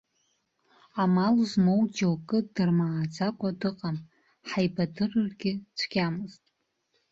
Амал змоу џьоукы дырмааӡакәа дыҟам, ҳаибадырыргьы цәгьамызт.